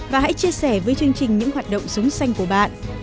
và hãy chia sẻ với chương trình những hoạt động sống xanh của bạn